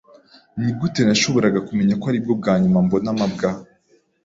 Nigute nashoboraga kumenya ko aribwo bwa nyuma mbona mabwa?